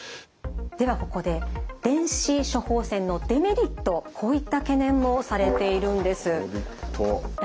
ではここで電子処方箋のデメリットこういった懸念もされているんです。